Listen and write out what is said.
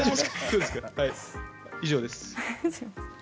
以上です。